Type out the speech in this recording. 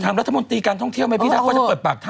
ทำรัฐมนตรีการท่องเที่ยวความจะเปิดปากถ้ำเลือดรึยังไง